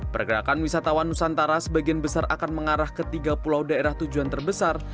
pergerakan wisatawan nusantara sebagian besar akan mengarah ke tiga pulau daerah tujuan terbesar